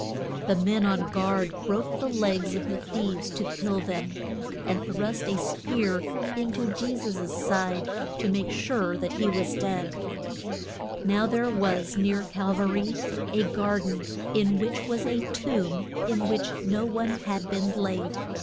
The men on guard broke the legs of the thieves to kill them, and thrust a spear in to Je sus' side to make sure that he was dead. [Illustration: DEATH OF SAP PHI RA.] Now there was near Cal va ry a gar den, in which was a tomb in which no one had been laid.